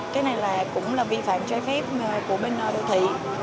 cái này là cũng là vi phạm trái phép của bên đô thị